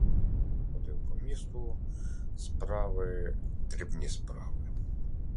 Багато ходив по місту — справи, дрібні справи.